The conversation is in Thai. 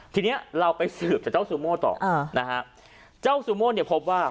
ทีนี้เราไปสืบจากเจ้าซูโม่ต่ออ่านะฮะเจ้าซูโม่เนี่ยพบว่า